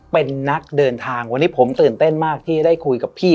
เป็นนักเดินทางวันนี้ผมตื่นเต้นมากที่ได้คุยกับพี่